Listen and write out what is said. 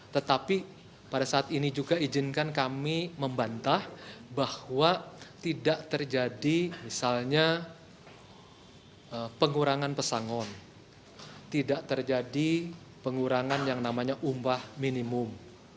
tetapi pada saat ini juga izinkan kami membantah bahwa tidak terjadi misalnya pengurangan pesangon tidak terjadi pengurangan yang namanya upah minimum